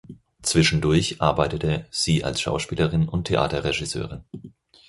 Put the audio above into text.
Zwischendurch arbeitete sie als Schauspielerin und Theaterregisseurin.